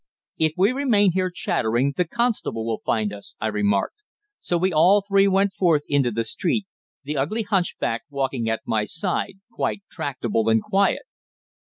"If we remain here chattering, the constable will find us," I remarked, so we all three went forth into the street, the ugly hunchback walking at my side, quite tractable and quiet.